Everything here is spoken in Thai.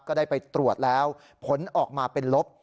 ก็ได้ไปตรวจแล้วผลออกมาเป็นลบ